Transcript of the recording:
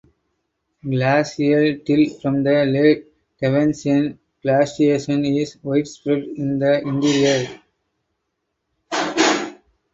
Glacial till from the late Devensian glaciation is widespread in the interior.